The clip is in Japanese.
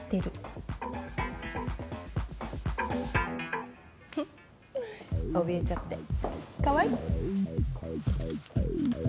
ふふっおびえちゃってかわいい。